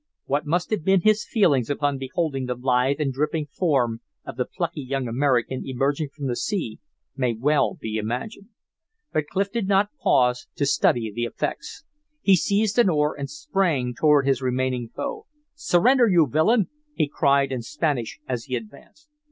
What must have been his feelings upon beholding the lithe and dripping form of the plucky young American emerging from the sea, may well be imagined. But Clif did not pause to study the effects. He seized an oar and sprang toward his remaining foe. "Surrender, you villain!" he cried in Spanish as he advanced.